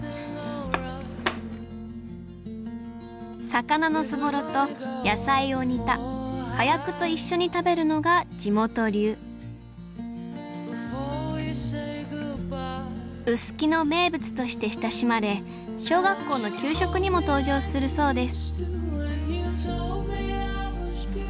魚のそぼろと野菜を煮たかやくと一緒に食べるのが地元流臼杵の名物として親しまれ小学校の給食にも登場するそうです